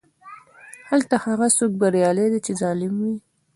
هلته هغه څوک بریالی دی چې ظالم وي.